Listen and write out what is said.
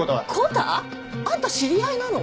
あんた知り合いなの？